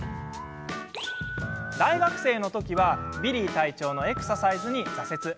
大学生の時はビリー隊長のエクササイズに挫折。